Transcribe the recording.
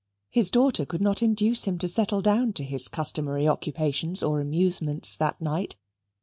His daughter could not induce him to settle down to his customary occupations or amusements that night.